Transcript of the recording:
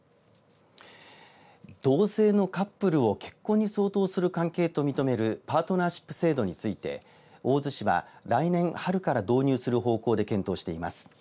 同性のカップルを結婚に相当する関係と認めるパートナーシップ制度について大洲市は来年春から導入する方向で検討しています。